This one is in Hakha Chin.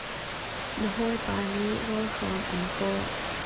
Na hawipa nih rawlhrawn an kawh.